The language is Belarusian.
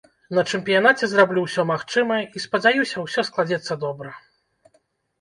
На чэмпіянаце зраблю ўсё магчымае і спадзяюся, усё складзецца добра.